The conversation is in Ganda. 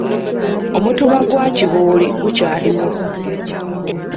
Omutuba gwa Kibooli gukyaliwo.